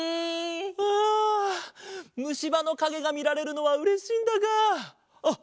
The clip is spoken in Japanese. あむしばのかげがみられるのはうれしいんだがあっ！